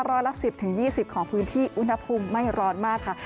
ร้อยละ๑๐๒๐ของพื้นที่อุณหภูมิไม่ร้อนมากค่ะ